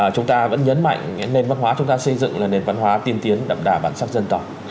chúng ta vẫn nhấn mạnh nền văn hóa chúng ta xây dựng là nền văn hóa tiên tiến đậm đà bản sắc dân tộc